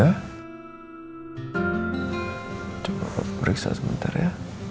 hai coba beriksa sebentar ya